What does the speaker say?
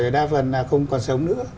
và đa phần là không còn sống nữa